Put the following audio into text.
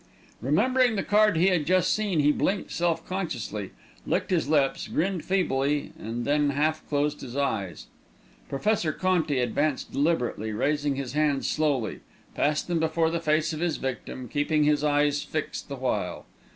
Remembering the card he had just seen, he blinked self consciously, licked his lips, grinned feebly, and then half closed his eyes. Professor Conti advanced deliberately, raised his hands slowly, passed them before the face of his victim, keeping his eyes fixed the while.